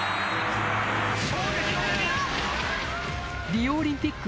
リオオリンピック